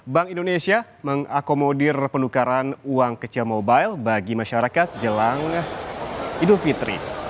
bank indonesia mengakomodir penukaran uang kecil mobile bagi masyarakat jelang idul fitri